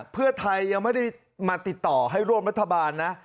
เพื่อไทยยังไม่ได้มาติดต่อให้ร่วมรัฐบาลนะ